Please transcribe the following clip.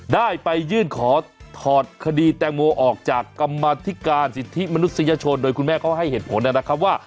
ได้ไปยื่นขอถอดคดีแตงโมออกจากกรรมธิการสิทธิมนุษยชนโดยคุณแม่เขาให้เหตุผลนะครับว่า